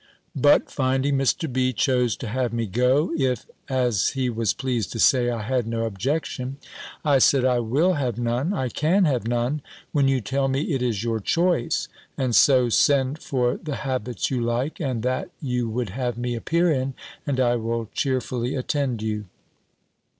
But finding Mr. B. chose to have me go, if, as he was pleased to say, I had no objection, "I said, I will have none, I can have none, when you tell me it is your choice; and so send for the habits you like, and that you would have me appear in, and I will cheerfully attend you."